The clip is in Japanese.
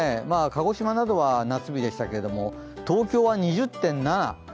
鹿児島などは夏日でしたけど、東京は２０．７。